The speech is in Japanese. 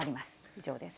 以上です。